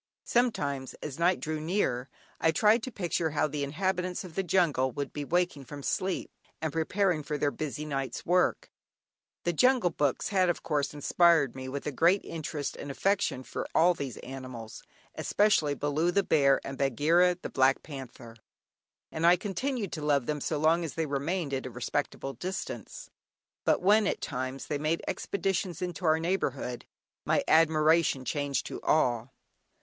Sometimes, as night drew near, I tried to picture how the inhabitants of the jungle would be waking from sleep and preparing for their busy night's work. The "Jungle Books" had of course inspired me with a great interest and affection for all these animals, especially "Baloo" the bear, and "Bagheera" the black panther, and I continued to love them so long as they remained at a respectable distance, but when, at times, they made expeditions into our neighbourhood, my admiration changed to awe.